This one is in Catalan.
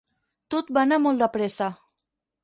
Tot va anar molt de pressa.